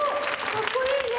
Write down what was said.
かっこいいね。